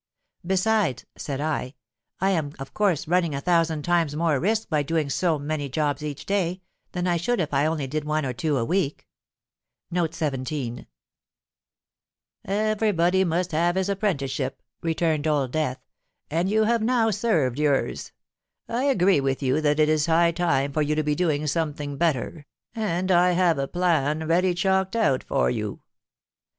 Besides,' said I, 'I am of course running a thousand times more risks by doing so many jobs each day, than I should if I only did one or two a week.'—'Everybody must have his apprenticeship,' returned Old Death, 'and you have now served yours. I agree with you that it is high time for you to be doing something better; and I have a plan ready chalked out for you.'